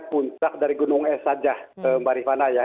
puncak dari gunung es saja mbak rifana ya